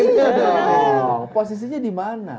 iya dong posisinya di mana